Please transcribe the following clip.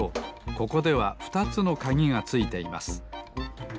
ここでは２つのかぎがついています。